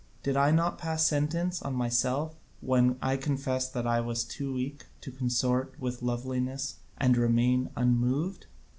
Did I not pass sentence on myself, when I confessed I was too weak to consort with loveliness and remain unmoved?